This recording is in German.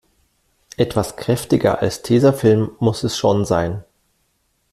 Etwas kräftiger als Tesafilm muss es schon sein.